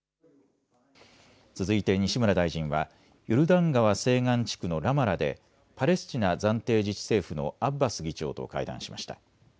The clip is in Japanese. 続いて西村大臣はヨルダン川西岸地区のラマラでパレスチナ暫定自治政府のアッバス議長と会談しました。